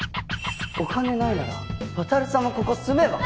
お金ないなら渉さんもここ住めば？